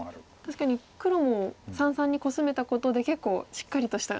確かに黒も三々にコスめたことで結構しっかりとした。